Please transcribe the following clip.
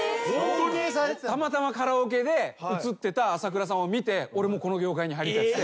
たまたまカラオケで映ってた朝倉さんを見て俺もこの業界に入りたいっつって。